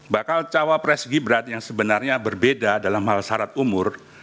bakal cawapres gibran yang sebenarnya berbeda dalam hal syarat umur